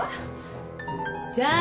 じゃあね！